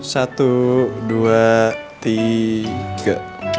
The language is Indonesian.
satu dua tiga